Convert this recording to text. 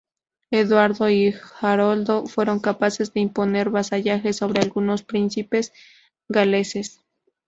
Eduardo y Haroldo fueron capaces de imponer vasallaje sobre algunos príncipes galeses.